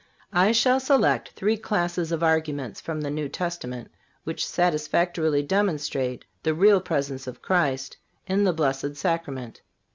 I shall select three classes of arguments from the New Testament which satisfactorily demonstrate the Real Presence of Christ in the Blessed Sacrament.